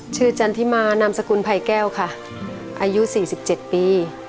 จันทิมานามสกุลภัยแก้วค่ะอายุ๔๗ปี